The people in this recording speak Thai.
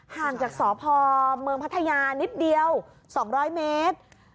ห่างจากสพเมืองพัทยานิดเดียว๒๐๐เมตร